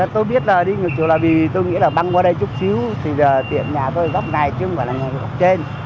tôi biết là đi ngược chiều là vì tôi nghĩ là băng qua đây chút xíu thì tiệm nhà tôi góc này chứ không phải là ngược trên